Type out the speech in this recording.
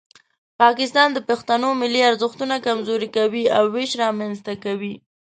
پاکستان د پښتنو ملي ارزښتونه کمزوري کوي او ویش رامنځته کوي.